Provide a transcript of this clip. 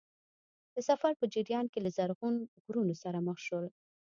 د سفر په جریان کې له زرغون غرونو سره مخ شول.